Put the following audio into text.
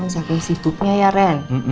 saking situpnya ya ren